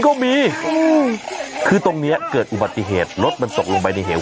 ก็มีอืมคือตรงเนี้ยเกิดอุบัติเหตุรถมันตกลงไปในเหว